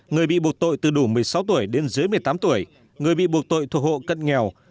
người bị buộc tội từ đủ một mươi sáu tuổi đến dưới một mươi tám tuổi người bị buộc tội thuộc hộ cận nghèo